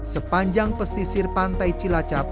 sepanjang pesisir pantai cilacap